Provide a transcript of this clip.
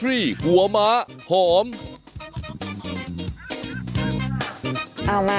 เอามา